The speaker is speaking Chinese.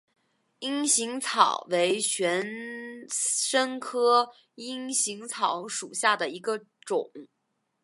阴行草为玄参科阴行草属下的一个种。